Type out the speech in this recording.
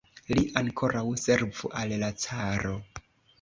Li ankoraŭ servu al la caro!